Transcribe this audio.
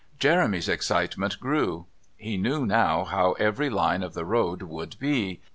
Jeremy's excitement grew. He knew now how every line of the road would be.